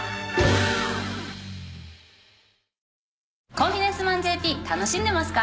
『コンフィデンスマンＪＰ』楽しんでますか？